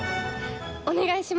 お願いします！